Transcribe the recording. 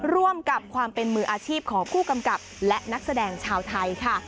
ร่วมกับความเป็นมืออาชีพของผู้กำกับและนักแสดงชาวไทยค่ะ